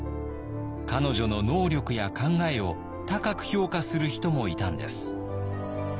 彼女の能力や考えを高く評価する人もいたんです。